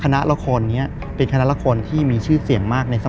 คือก่อนอื่นพี่แจ็คผมได้ตั้งชื่อเอาไว้ชื่อเอาไว้ชื่อเอาไว้ชื่อ